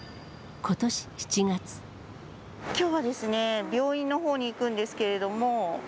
きょうはですね、病院のほうに行くんですけれども。